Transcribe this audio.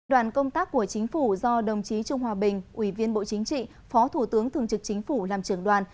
đoàn công tác của chính phủ do đồng chí trung hòa bình ủy viên bộ chính trị phó thủ tướng thường trực chính phủ làm trưởng đoàn